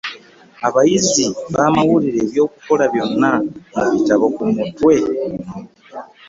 Abayizi bamalirize eby’okukola byonna mu bitabo ku mutwe guno.